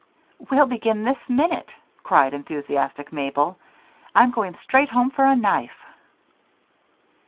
"We'll begin this minute!" cried enthusiastic Mabel. "I'm going straight home for a knife."